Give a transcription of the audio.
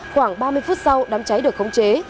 khoảng ba mươi phút sau đám cháy được khống chế